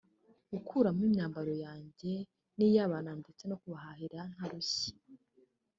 kuguramo imyambaro yanjye n’iy’abana ndetse no kubahahira ntarushye